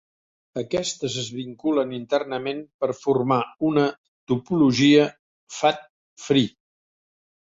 Aquestes es vinculen internament per formar una topologia fat tree.